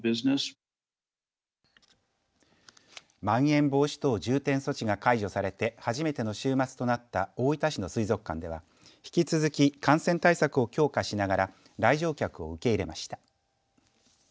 まん延防止等重点措置が解除されて初めての週末となった大分市の水族館では、引き続き感染対策を強化しながら来場客を受け入れました。